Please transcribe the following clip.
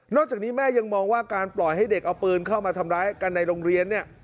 จากนี้แม่ยังมองว่าการปล่อยให้เด็กเอาปืนเข้ามาทำร้ายกันในโรงเรียนเนี่ย